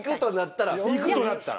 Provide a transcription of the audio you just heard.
いくとなったら？